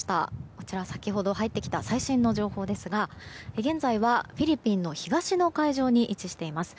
こちら、先ほど入ってきた最新の情報ですが現在はフィリピンの東の海上に位置しています。